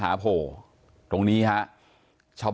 ฐานพระพุทธรูปทองคำ